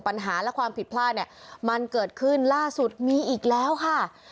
ปัญหาและความผิดพลาดเนี่ยมันเกิดขึ้นล่าสุดมีอีกแล้วค่ะ